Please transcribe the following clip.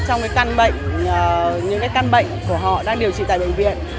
trong những căn bệnh của họ đang điều trị tại bệnh viện